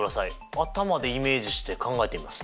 頭でイメージして考えてみますね。